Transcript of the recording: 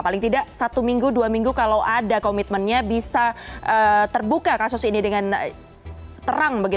paling tidak satu minggu dua minggu kalau ada komitmennya bisa terbuka kasus ini dengan terang